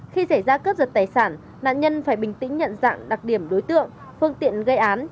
khi xảy ra cướp giật tài sản nạn nhân phải bình tĩnh nhận dạng đặc điểm đối tượng phương tiện gây án